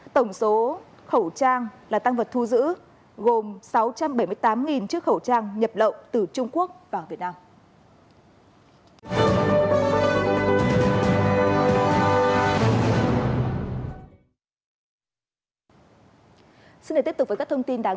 tổng số khẩu trang là tăng vật thu giữ gồm sáu trăm bảy mươi tám chiếc khẩu trang nhập lậu từ trung quốc vào việt nam